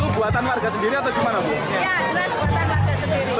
buatan warga sendiri atau gimana bu